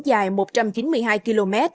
dài một trăm chín mươi hai km